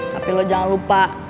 tapi lo jangan lupa